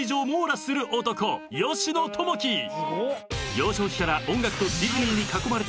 ［幼少期から］